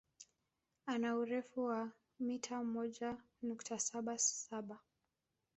Ana urefu wa mita moja nukta saba saba